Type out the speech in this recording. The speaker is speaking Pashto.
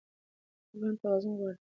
ژوند توازن غواړي.